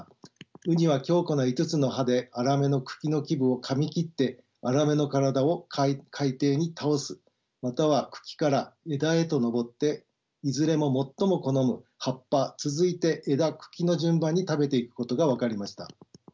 ウニは強固な５つの歯でアラメの茎の基部をかみ切ってアラメの体を海底に倒すまたは茎から枝へと登っていずれも最も好む葉っぱ続いて枝茎の順番に食べていくことが分かりました。